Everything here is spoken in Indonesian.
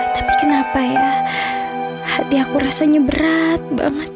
tapi kenapa ya hati aku rasanya berat banget